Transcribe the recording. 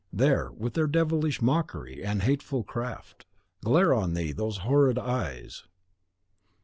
There, with their devilish mockery and hateful craft, glare on thee those horrid eyes!